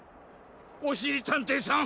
おしりたんていさん